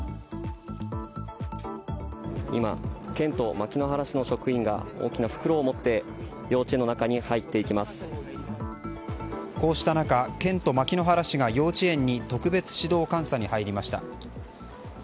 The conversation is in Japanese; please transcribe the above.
今、県と牧之原市の職員が大きな袋を持って、幼稚園の中にこうした中、県と牧之原市が幼稚園に特別指導監査に入りました。